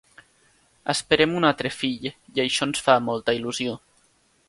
Esperem un altre fill i això ens fa molta il·lusió.